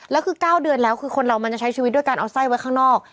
แล้วคือ๙เดือนแล้วคือคนเรามันจะใช้ชีวิตด้วยการเอาไส้ไว้ข้างนอก